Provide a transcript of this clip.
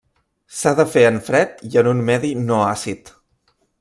S'ha de fer en fred i en un medi no àcid.